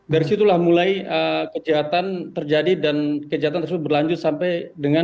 dari situlah mulai kejahatan terjadi dan kejahatan tersebut berlanjut sampai dengan dua ribu dua puluh satu